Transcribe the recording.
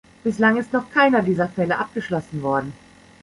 Bislang ist noch keiner dieser Fälle abgeschlossen worden.